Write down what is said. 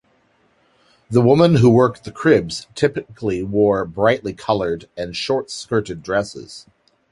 The women who worked the cribs typically wore brightly colored and short-skirted dresses.